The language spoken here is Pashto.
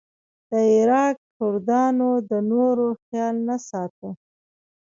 د عراق کردانو د نورو خیال نه ساته.